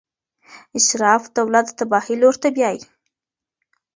اسراف دولت د تباهۍ لور ته بیايي.